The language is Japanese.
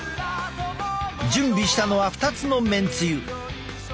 準備したのは２つのめんつゆ。